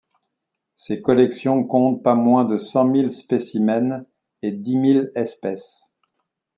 Ses collections comptent pas moins de cent mille spécimens et dix mille espèces.